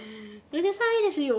うるさいですよ。